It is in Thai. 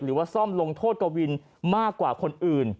หรือว่าซ่อมลงโทษกวินมากกว่าคนอื่น